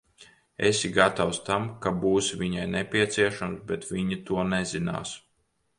Esi gatavs tam, ka būsi viņai nepieciešams, bet viņa to nezinās.